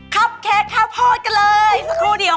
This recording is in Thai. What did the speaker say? คัปเค้กข้าวโพดกันเลย